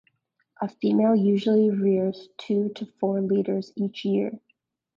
A female usually rears two to four litters each year.